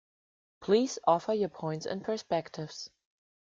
Please offer your points and perspectives.